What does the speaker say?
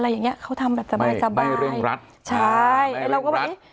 อะไรอย่างเงี้ยเขาทำแบบสบายสบายไม่เรื่องรัฐใช่ไม่เรื่องรัฐ